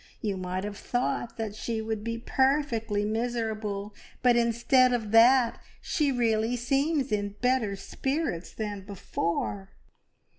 You might have thought that she would be perfectly miserable, but instead of that she really seems in better spirits than before."